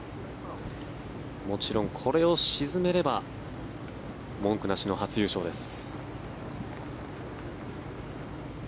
もちろんこれを沈めれば文句なしの初優勝です。